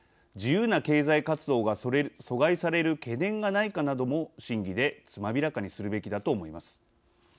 自由な経済活動が阻害される懸念がないかなども審議でつまびらかにするべきだと思います。